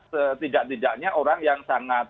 setidak tidaknya orang yang sangat